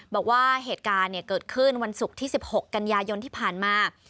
บอกว่าเหตุการณ์เกิดขึ้นวันศุกร์ที่๑๖กันยายนที่ผ่านมา